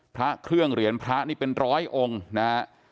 พระเครื่องเหรียญพระนี่เป็นร้อยองค์นะฮะ